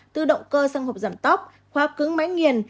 từ động cơ sang hộp giảm tóc khóa cứng máy nghiền